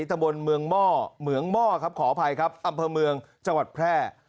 ตะบนเมืองหม้อเหมืองหม้อครับขออภัยครับอำเภอเมืองจังหวัดแพร่